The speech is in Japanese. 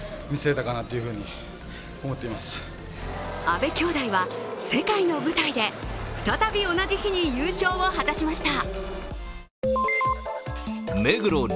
阿部きょうだいは世界の舞台で再び、同じ日に優勝を果たしました。